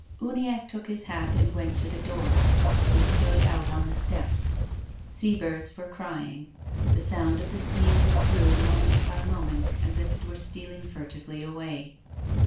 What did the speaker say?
Uniacke took his hat and went to the door. He stood out on the step. Sea birds were crying. The sound of the sea withdrew moment by mo THE GRAVE. 63 ment, as if it were stealing furtively away.